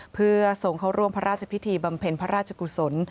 เพื่อส่งเข้าร่วมพระราชพิธีบำเพ็ญพระราชกุศล